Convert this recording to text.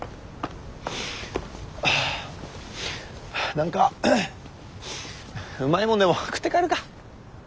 何かうまいもんでも食って帰るか。